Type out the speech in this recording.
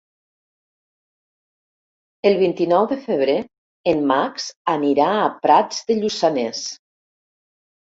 El vint-i-nou de febrer en Max anirà a Prats de Lluçanès.